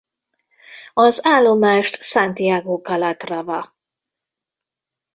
Az állomást Santiago Calatrava.